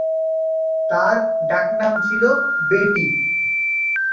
তার ডাকনাম ছিল "বেটি"।